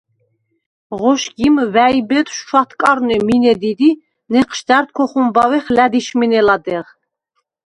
ღოშგიმ ვა̈იბედუშვ ჩვათკარვნე მინე დიდ ი ნეჴშდა̈რდ ქოხუმბავეხ ლა̈დიშ მინე ლადეღ.